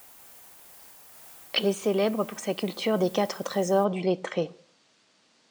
Elle est célèbre pour sa culture des quatre trésors du lettré.